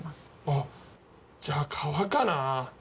あっじゃあ革かな。